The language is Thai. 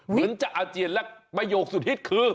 เหมือนจะอาเจียนและประโยคสุดฮิตคือ